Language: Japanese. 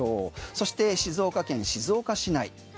そして静岡県静岡市内。